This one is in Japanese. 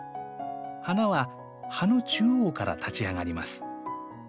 花は葉の中央から立ち上がります。